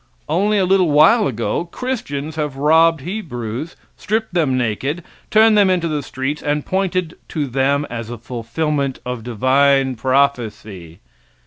Only a little while ago Christians have robbed Hebrews, stripped them naked, turned them into the streets, and pointed to them as a fulfillment of divine prophecy.